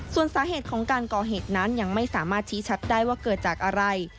ส่วนสาเหตุของการก่อเหตุนั้นยังไม่สามารถชี้ชัดได้ว่าเกิดจากอะไร